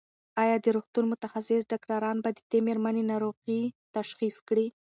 ایا د روغتون متخصص ډاکټران به د دې مېرمنې ناروغي تشخیص کړي؟